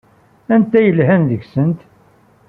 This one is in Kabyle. Anta ay yelhan deg-sent?